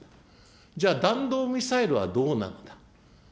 じゃあ、弾道ミサイルはどうなった。